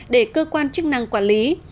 để cơ quan chức năng quản lý